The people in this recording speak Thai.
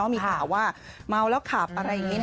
มีข่าวว่าเมาแล้วขับอะไรอย่างนี้